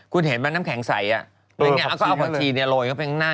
คุณเห็นไหมน้ำแข็งใสแล้วก็เอาผักชีโรยเข้าไปข้างหน้า